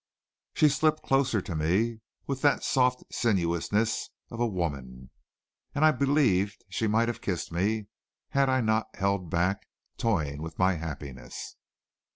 She slipped closer to me then, with that soft sinuousness of a woman, and I believed she might have kissed me had I not held back, toying with my happiness.